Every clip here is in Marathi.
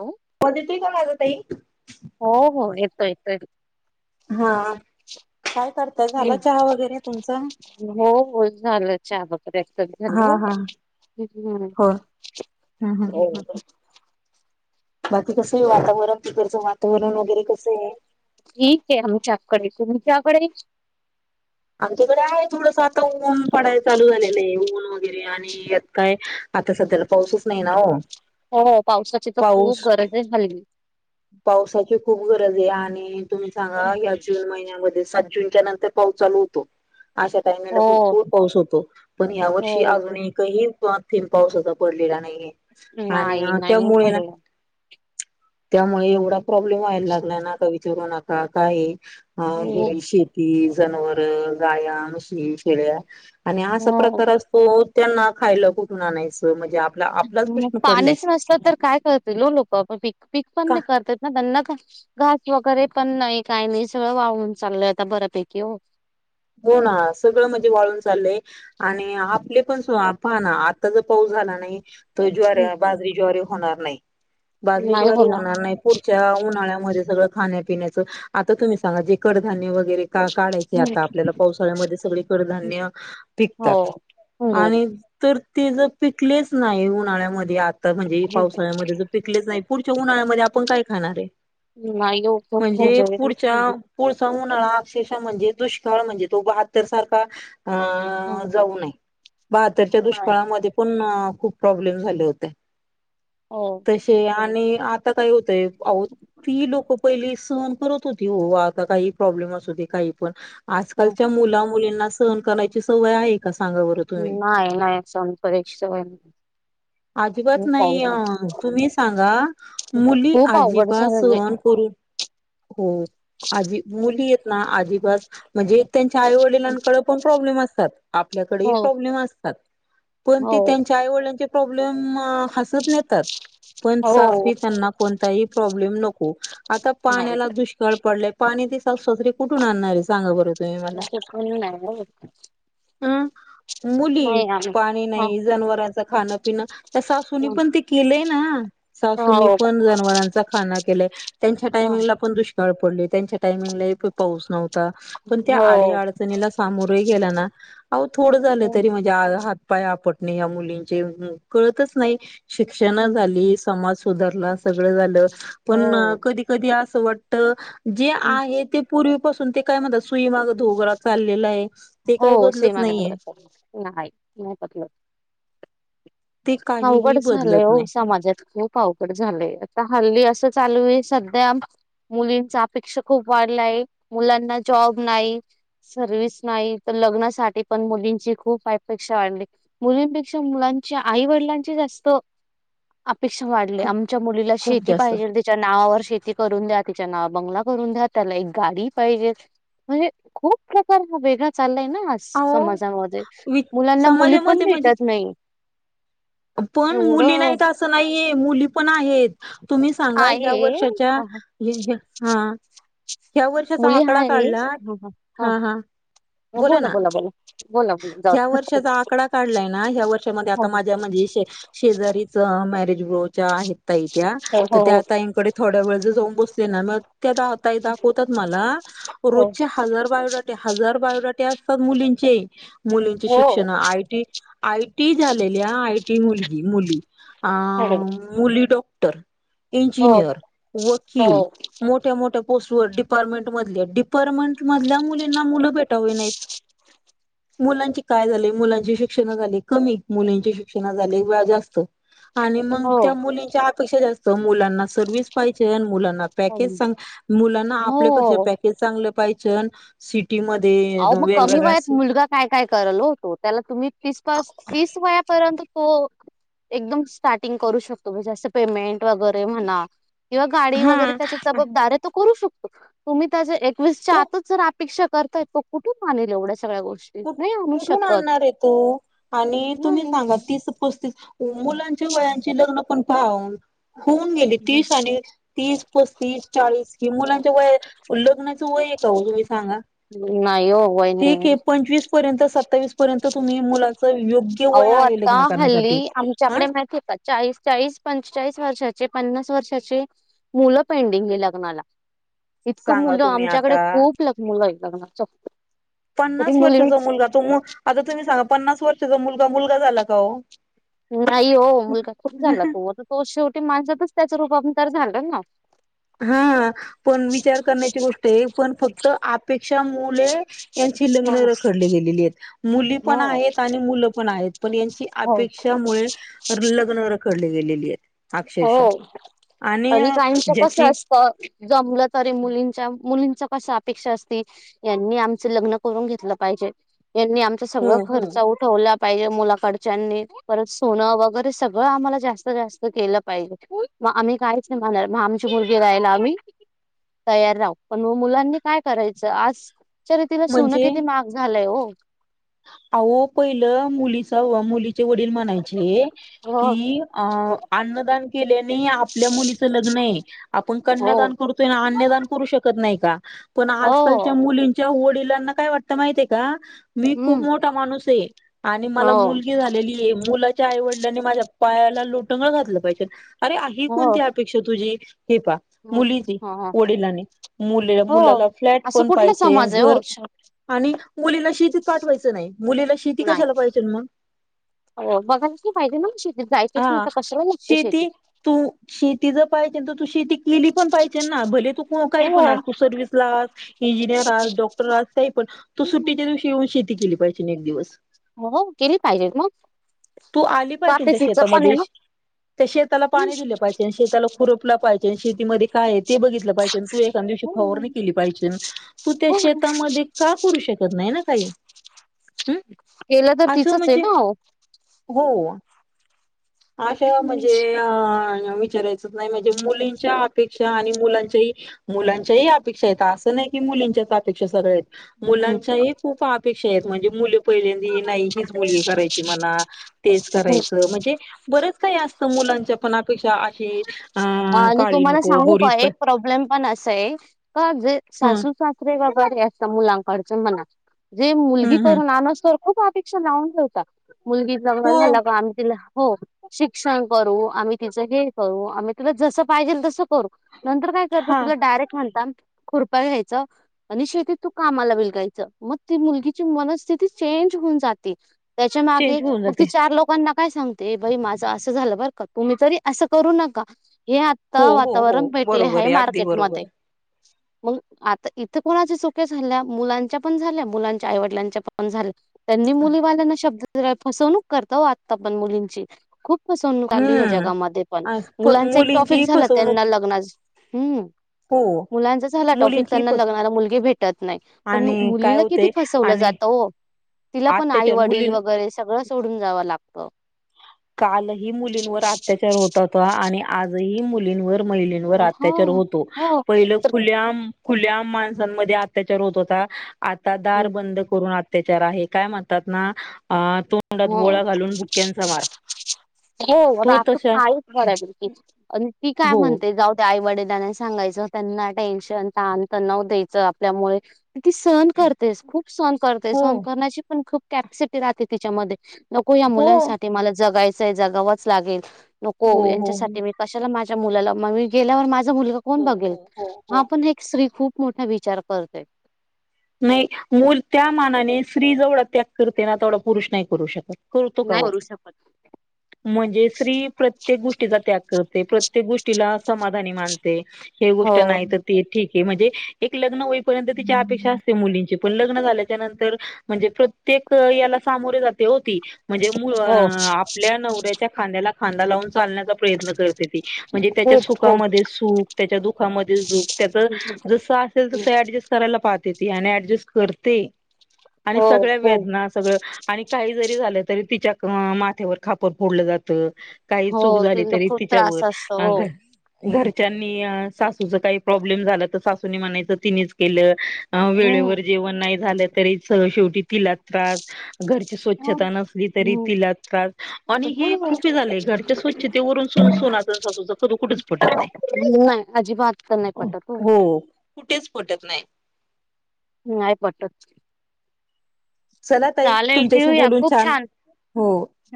हॅलो होद त कोण आझ तई हो हो येतो येतो. हा काय करताय झाला चहा वगैरे तुमचं हो हो झालं चहा बपरस हा झालं. हा हम् हो. ह ह ह ह बाकी कसं आहे वातावरण तिकडचं. वातावरण वगैरे कसं आहे? ठीक आहे आमच्या कडे तुमच्या कडे. आमच्याकडे आहे थोडस आता ऊन पडाय चालू झालेलंय ऊन वगैरे आणित काय आता सध्याला पाऊसच नाही ना ओ. हो पावसाची तर पाऊस खूप गरज आहे हल्ली पावसाची खूप गरजे आणि तुम्ही सांगा या जून महिन्यामध्ये सात जूनच्या नंतर पाऊ चालू होतो. अशा टायमला हो भरपूर पाऊस होतो पण या्या हो वर्षी अजून एकही थेम पाऊस पडलेला नाही आणि नाही नाही त्यामुळे ना. पडलं त्यामुळे एवढा प्रॉब्लेम व्हायला लागला ना की विचारू नका काये. अ हो घरी शेती जनावरं गाया, म्हशी, शेळ्या आणि असा हो प्रकार असतो त्यांना खायला कुठून आणायचं म्हणजे आप मग पाणीच नसत तर काय करते हो लोक पीक पीक पण का. नाही करतायेत ना त्याना काय? घास वगैरे पण नाही काही नाही सगळं वाळून चाललंय आता बऱ्यापैकी हो. हो ना सगळं म्हणजे वाळून चाललंय आणि आपले पण हा ना आता जर पाऊस झाला नाही तर ज्वार बाजरी ज्वारीे होणार नाही. बाजरीच ज्वारी होणार नाही पूढ च्या उन्हाळ्यामध्ये सगळं खाण्यापिण्याच आता तुम्ही सांगा जे कडधान्य वगैरे का काढायचे आता आपल्याला पावसाळ्यामध्ये सगळे कडधान्य हो पिकतात आणि हो तर ते ज पिकलेच नाही उन्हाळ्यामध्ये आ आता म्हणजे पावसाळ्यामध्ये ज पिकलेच नाही पुढच्या उन्हाळ्यामध्ये आपण काय खाणारे. नाही ओ खूप म्हणजे मजेत पुढच्या पुढ उन्हळा अक्षरशः म्हणजे दुष्काळ म्हणजे तो बतर सारखा हं. अ जाऊ नये. बहातरच्या नाय. दुष्काळामध्ये पण खूप प्रॉब्लेम झाले होते हो तसे आत आणि आता काय होतय आव ती लोक पहिली सहन करत होती हो आता काही प्रॉब्लेम असूदे काही पण. हं आजकालच्या मुला मुलींना सहन कराण्यायची सवय आहे. का सांगा बरं तुम्ही नाय नाय सहन करायची सवय. अजिबात नाही अ तुम्ही सांगा मुली खूप अवघड अजिबात झालंय सहन कर हो आजी मुली येत ना आजिबात त्यांच्या आई वडिलांकडे पण प्रॉब्लेम असतात. आपल्याकडे हो प्रॉब्लेम असतात. पण हो ते त्यांच्या आईवडिलांचे प्रॉब्लेम हसत नेतात. पण हो सासवी त्यांना कोणताही प्रॉब्लेम नको आता नाही पाण्याला दुष्काळ पडले पाणी सासूससरे कठून आणणारे सांगा बर. अस कुणी नाय ग [unintelligible] अं मुली पाणी हा नाही जनावरांच खाणं पिण त्या सासूने पण ते केलंय ना सासूनी हो पण जनावरांचा खाना केलाय त्यांच्या हं. टायमिंगला पण दुष्काळ पडले. त्यांच्या टाइमिंगला एक पाऊस नव्हता पण त्या आडी हो अडचणीला सामोरही गेला ना. अह थोडं झालं हं, तरी म्हणजे हातपाय आपटणे या मुलींचे कळतच नाही. शिक्षण हं. झाली समाज सुधारला सगळं झालं पण हो कधी कधी आस असं वाटत जे हं. आहे ते पूर्वीपासून ते काय म्हणत सुईमाग धोरा चाललेलाये. हो सुईमागे दोरा चालला नका एकू नाही पटल ते काहीही अवघड झालय बदलत ओ नाही समाजच. खूप अवघड झालंय आता हल्ली असं चालूये सध्या मुलींचा अपेक्षा खूप वाढलाय, मुलांना जॉब नाही सर्विस नाही त लग्नासाठी पण मुलींची खूप अपेक्षा वाढली मुलीपेक्षा मुलांची आई-वीडील च्या जास्त अपेक्षा वाढल्या खूप आमच्या मुलीला खूप शेती जास्त पाहिजे त्याच्या नावर शेत त करून द्या तिच्या नावव बंगला करून द्या त्याला एक गाडी पाहिजे म्हणजे खूप प्रकार. खूप वेगंला चालय. अहो समाजामध्ये वि मुलांना मुली पण समाजामध्ये म्हणजे भेटत नाही. पण मुली एवढं नाहीत असं नाहीये मुली पण आहेत. तुम्ही सांगा आहे ह्या वर्षाच्या हा, हा. हा ह्या वर्षाचा मुली हा आकडा आहे काढला बोला हा हा बोला बोला बोला बोला जाऊ ह्या वर्षाचा आकडा काढलाय ना ह्या वर्षामध्ये आता दे. माझ्या म्हणजे शे शेजारीचं मॅरेज ब्रोच आहेत. ताई त्या्या तर हो हो त्या ताईंकडे थोड्या वेळ ज जाऊन बसले ना मग त्या ताई दाखवतात मला हो रोजचे हजार बायोडाटे हजार बायोडाटे मुलींची मुलींचे हो शिक्षण आयटी आय ती झालेली आय टी मुलगी मुली अ हो मुली डॉक्टर हो इंजिनियर वकील हो मोठ्या मोठ्या पोस्ट व डिपार्टमेंट मध डिपार्टमेंट मधल्या मुलींना मुलं भेटावी नाहीत मुलांचे काय झाले मुलांची शिक्षणा झाले कमी मुलींचे शिक्षणा झाले जास्त आणि मग हो त्या मुलींच्या अपेक्षा जास्त मुलांना सर्व्हस पाहिजे आणि मुलां पॅकेज सांग मुलांना आपले कसे हो पॅकेज चांगले पाहिजे टी मध्ये अह मग कमी वेगवेगळल्या वयात मुलगा काय काय कराल ओ होत त्याला तुम् तो एकदम स्टार्टिंग करू शकतो म्हणजे जा पेमेंट वगैरे म्हणा किंवा गाडी हा वगैरे त्याची जबाबदार आहे तो करू शकतो तुम्ही त्याच्या एकवीसच्या तो आतच जर अपेक्षा करताय तो कुठून मानेल एवढंच कुठ नाही कुठून आणणार आहे तो आणि तुम्ही नाही सांगा तीस पस्तीस मुलांच्या वयांची लग्न पण [unintelligible] होऊन गेली तीस आणि तीस पस्तीस चाळीस कि मुलांच्या वय लग्नाचं वय का ओ तुम्ही सांगा नाही ओ वय नाय ठीक आहे पंचवीस पर्यंत सत्तावीस पर्यंत तुम्ही मुला अहो आता हल्ली हा आमच्याकडे माहिती का चाळीस चाळीस पंचेचाळीस वर्षाचे पन्नास वर्षाचे इतकं सांगा मुलं तुम्ही आमच्याकडे आता खूप ल मुलं आहे लग्ना पन्नास वर्षाचा मुलगा तो आता तुम्ही सांगा पन्नास वर्षाचा मुलगा मुलगा झाला का ओ नाही हो मुलगा खूप झाला तू तो शेवटी माणसातच त्याच रूपानं तर झाला ना हा पण विचार करण्याची गोष्ट पण फक्त अपेक्षा मुळे हो लग्न रखडली गेलेली आहेत. मुली पण आहेत आणि मुलं पण आहेत पण, यांची हो अपेक्षा मुले लग्न रखडली गेलेली आहेत. हो अक्षरश आणि जे त जमलं त मुलींच्या मुलीं कस अपेक्षा असती यांनी आमच लग्न करून घेतलं पाहिजे यांनी आमचा हो सगळ हो खर्च उठवला पाहिजे मुलाकडच्यानी परत सोनं वगैरे सगळं आम्हाला जास्त जास्त केलं, पाहिजे आम्ही काहीच नाही म्हणार म आमची मुलगी रायला आम्ही तयार राहू पण म मुलांनी काय करायचं आज तिला सोनं म्हणजे किती महाग झालाय हो अहो पहिलं मुलीचा व मुली वडील म्हणायचे हो की अन्नदान केल्या आपल्या मुलीचा आपण हो कन्यादान करतोय अन्यदान करू शकत नाही का पण आजकालच्या हो मुलींच्या वडिलांना काय वाटतं माहितय का मी खूप हम्म मोठा माणूस आहे आणि हो मला मुलगी झालेली आहे मुला आईवडलांनी माझ्या पायाला लोटंगन घातलं पाहिजे अरे आहे हो कोणती अपेक्षा तुझी हे पा मुलीची हो वडिलांनी मुले हो मुलाला फ्लॅट असं पण कुठला पाहिजे समाज आहे हो घर आणि मुलीला शेतीत पाठवायचं नाही मुलीला शेती नाही कशाला पाहिजे मग हो बघाला क फहितीे ना म शेतीत जायचं क नाही हा तर कशाला लागतं शेती तू शेती जर तू शेती केली पण भले तू कोण हो. पण असं सर्विस ला इंजिनियर ला आस डॉक्टर आ का पण तो हम्म. सुट्टीच्या दिवशी येऊन शेती केली पाहिजे एक दिवस हो केली पाहिजे मग तू आली त पाहिजे आता त्या तिचं पण आहे शेतामध्ये ना. त्या शेताला पाणी दिले पाहिजे शेताला खुरपला पाहिजे शेतीमध्ये काय आहे ते बघितलं पाहिजे तू एक हो. त्या हो. श का करू शकत नाही. हम् केलं तर असं तिचंच आहे म्हणजे ना. हो अशा म्हणजे अ विचारायच नाही म्हणजे मुलींच्या अपेक्षा आणि मुलाच्या मुलांच्या अपेक्षा येत असं नाही. मुच्या अपेक्षा सग हो. मुलांच्या खूप अपेक्षा म्हणजे मुल पहिल्यांदी नाही हीच मुलगी करायची मणा तेच करायचं म्हणजे बरेच काही असत मुलांच्या पणापेक्षा अशी अ काळी नको गोरीच पण ण अस का जे हं सासू-सासरे अस मुलांकड म जे हं मुलगी हं करून अनो स्तर खूप अपेक्षा लावून ठेवता मुलगी जंगा हो झाला क आम्ही तिला हो शिक्षण करू आम्ही तिचं हे करू आम्ही तुला जस पाहिजे तस करू नंतर काय करत हा तुला डायरेक्ट खालता खुरपा घ्यायचा आणि शेतीत तू कामाला बलगायचं मग ती मुलगीची मनस्थितीच चें होऊन जाते त्याच्या माग चेंज होऊन मग त जाते. चार लोकांना काय सांगते बाई माझं असं झालं बरं का तुम्ही तरी असं करू नका. हे हो आता हो हो वातावरण भेटले बरोबर आहे अगदी मार्केट मध्ये बरोबर मग आता इथं कोणाच्या चुक्या झाल्या मुलांच्या पण झाल्या मुलांच्या आईवडिलांच्या पण झाल्या. त्यांनी मुलीवाल्यांना शब्द फसवणूक करता हो आता पण मुलींची खूप पसवून लू ह्या हम्म जगामध्ये पण मुलांच एक ट्रॉफिक मुलींची झालं फसवणूक त्यांना लग्ना हम्म हो मुलांचाच झाला टॉफिक मुलींची त्यांना फसवणूक लगणार मुलगी भेटत नाही पण आणि काय मुलीला किती होतंय फसवलं आणि जात. हो तिला पण आई अत्याचार वडील मुलीं वगैरे सगळं सोडून जावं लागत. कालही मुलींवर अत्याचार होतात आणि आजही मुलींवर महिवर हो अत्याचार होतो हो पहिल तर खुल्याआम खुल्या माणसांमध्ये अत्याचार होत होता आता दार बंद करून अत्याचार त्याच्यावर आहे काय म्हणतात ना तोंडात हो गोळा घालून भुक्यांचा मार हो तो आ तशा कायचड ती काय हो म्हणते जाऊ काई वडलाना सांगायचं त्यांना टेन्शन ताण तणाव द्यायचं आपल्यामुळे ती सहण करतेस खूप सण करतेस हो सहन करण्याची पण खूप कॅपॅसिटी राहते तिच्यामध्ये नको या हो मुलांसाठी मला जगायचंय जगावंच लागेल नको हो हो हो. यांच्यासाठी मी कशाला माझी मुला मी गेल्यावर माझा मुलगा कोण हो बघेल हो हो हो. हा पण स्त्री खूप खूब खूप मोठा विचार करते. नाही मल त्या मानाने स्त्री जेवढा त्याग करते ना तेवढा पुरुष नाही करू शकत. करतो का नाही हो. करू शकत. म्हणजे स्त्री प्रत्येक गोष्टीचा त्याग करते प्रत्येक गोष्टीलासमान आणि मानते ही हो गोष्ट नाही तर ते ठीक आहे म्हणजे तिच्यापेक्षा मुलींची लग्न झाल्यावर म्हणजे प्रत्येक या सामोरे जाते हो ती. म्हणजे मुळ हो आपल्या नवऱ्याच्या खांद्याला खांदा लावून. चालण्याचा प्रयत्न करते ती म्हणजे त्याच्या खूप खूप सुखामध्ये सुख त्याच्या दुखामध्ये सुख त्याच जसं असेल तसं ऍडजस्ट करायला पाहत. ऍडजेस्ट करते आणि हो खूप सगळ्यांना सगळं आणि काही जरी झालं तरी तिच्या अ माथ्यावर खापर फोडलं जात काही चूक हो झाली तिला तरी खूप तिच्यावर त्रास असतो हो घरच्यांनी सासूच काही प्रॉब्लेम झाला तर सासूनी म्हणायचं तिनेच केलं. अ हम्म. वेळेवर जेवण नाही झालं तरी स शेवटी तिला त्रास घरची स्वच्छता नसली तरी हम्म. तिला त्रास आणि हे खूप झाले. घरच्या स्वच्छते ववरून सोनाचा सासूचा कधू कुठेच पटत नाही. नाही अजिबात तर नाही पटत हो कुठेच पटत नाही. नाही पटत. चला ताई चालेल तुमच्याशी ठेवूया बोलून खूप छान हो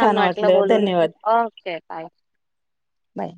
छान वाटलं बोलून. धन्यवाद, ओके बाय. बाय.